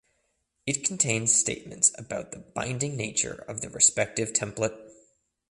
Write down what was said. It contains statements about the binding nature of the respective template.